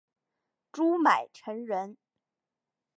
朱买臣人。